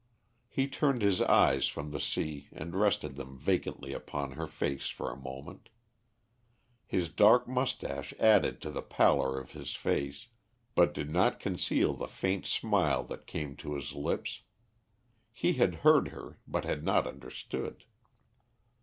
He turned his eyes from the sea and rested them vacantly upon her face for a moment. His dark moustache added to the pallor of his face, but did not conceal the faint smile that came to his lips; he had heard her, but had not understood.